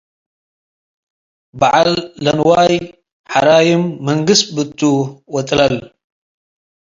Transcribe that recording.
በዐል ለንዋይ ሐራይም ምንግስ ብእቱ ወጥ’ለል